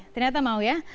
ternyata mau ya